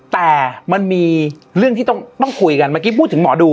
แต่มันมีเรื่องที่ต้องคุยกันเมื่อกี้พูดถึงหมอดู